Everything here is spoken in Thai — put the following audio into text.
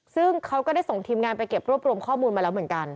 ซึ่งเขาก็ได้ส่งทีมงานไปเก็บรวบรวมข้อมูลมาแล้วเหมือนกัน